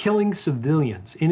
yang membunuh perempuan